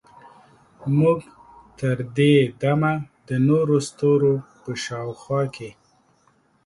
موږ تر دې دمه د نورو ستورو په شاوخوا کې